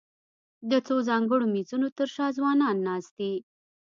د څو ځانګړو مېزونو تر شا ځوانان ناست دي.